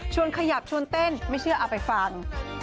ขยับชวนเต้นไม่เชื่อเอาไปฟัง